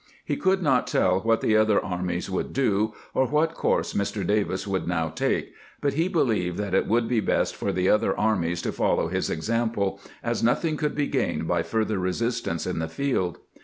He could not tell what the other armies would do, or what course Mr. Davis would now take ; but he believed that it would be best for the other armies to follow his example, as nothing could be gained by further resistance in the field.